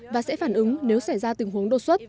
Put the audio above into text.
và sẽ phản ứng nếu xảy ra tình huống đột xuất